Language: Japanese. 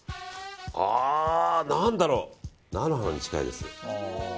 何だろう、菜の花に近いです。